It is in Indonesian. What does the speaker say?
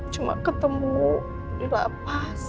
cuma ketemu dilapas